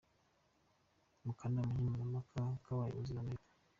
mu kanama nkemurampaka ka Abayobozi ba Amerika